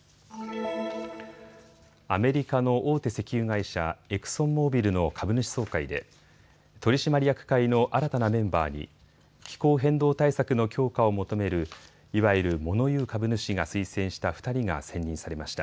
アメリカの大手石油会社、エクソンモービルの株主総会で取締役会の新たなメンバーに気候変動対策の強化を求めるいわゆる物言う株主が推薦した２人が選任されました。